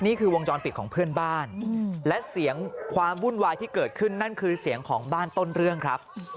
วงจรปิดของเพื่อนบ้านและเสียงความวุ่นวายที่เกิดขึ้นนั่นคือเสียงของบ้านต้นเรื่องครับ